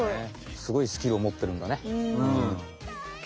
すごいスキルをもってるんだね。